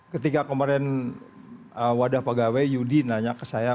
ketika kemarin wadah pegawai yudi nanya ke saya